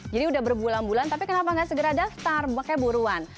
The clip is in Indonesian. jadi sudah berbulan bulan tapi kenapa tidak segera daftar makanya buruan